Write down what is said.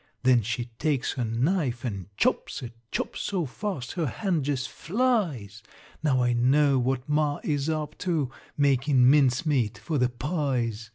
Then she takes her knife an' chops it, Chops so fast her hand jest flies. Now I know what ma is up to Makin' mincemeat for the pies.